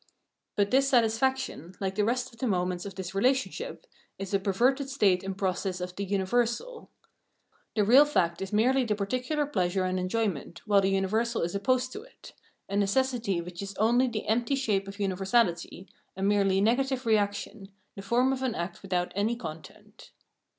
But this satisfaction, hke the rest of the moments of this relationship, is a perverted state and process of the universal. The real fact is merely the particular pleasure and enjoyment, while the universal Virtue and the Course of the World 371 is opposed to it — a necessity whicli is only the empty shape of iiniversality, a merely negative reaction, the form of an act without any content.